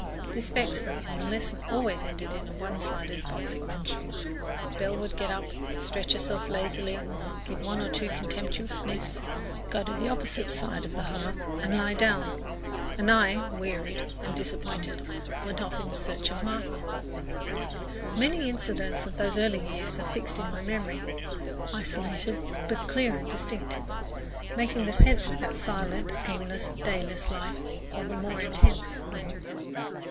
This vexed me and the lesson always ended in a one sided boxing match. Belle would get up, stretch herself lazily, give one or two contemptuous sniffs, go to the opposite side of the hearth and lie down again, and I, wearied and disappointed, went off in search of Martha. Many incidents of those early years are fixed in my memory, isolated, but clear and distinct, making the sense of that silent, aimless, dayless life all the more intense.